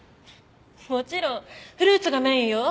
もちろんフルーツがメインよ。